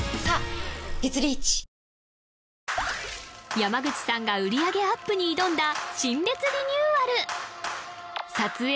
山口さんが売り上げアップに挑んだ陳列リニューアル撮影